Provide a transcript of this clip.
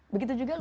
begitu juga lupus